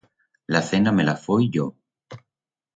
La cena me la foi yo.